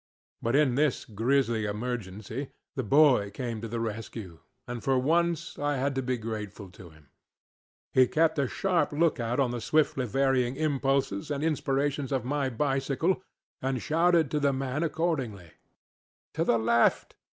But in this grisly emergency, the boy came to the rescue, and for once I had to be grateful to him. He kept a sharp lookout on the swiftly varying impulses and inspirations of my bicycle, and shouted to the man accordingly: ŌĆ£To the left!